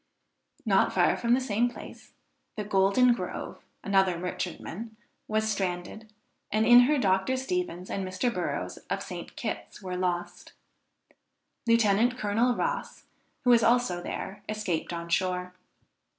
Not far from the same place, the Golden Grove, another merchantman, was stranded, and in her Dr. Stevens and Mr. Burrows of St. Kitts, were lost. Lieutenant Colonel Ross, who was also there escaped on shore.